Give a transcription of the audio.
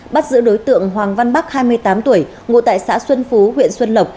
bắt giữ đối tượng hoàng văn bắc hai mươi tám tuổi ngụ tại xã xuân phú huyện xuân lộc